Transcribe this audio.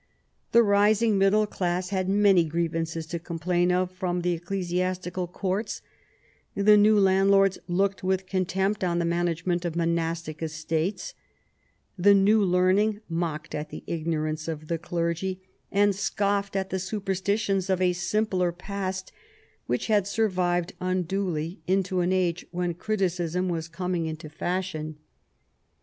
The rising middle class had 134 THOMAS WOLSEY chap. many grievances to complain of from the ecclesiastical courts ; the new landlords looked with contempt on the management of monastic estates; the new learning mocked at the ignorance of the clergy, and scoflfed at the superstitions of a simpler past which had survived unduly into an age when criticism was coming into fashion..